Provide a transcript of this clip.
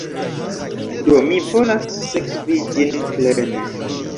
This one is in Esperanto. Do, mi volas sekvi ĝin plene